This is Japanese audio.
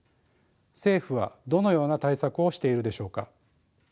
政府はどのような対策をしているでしょうか。